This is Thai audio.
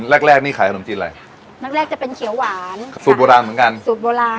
แรกแรกนี่ขายขนมจีนอะไรแรกแรกจะเป็นเขียวหวานสูตรโบราณเหมือนกันสูตรโบราณ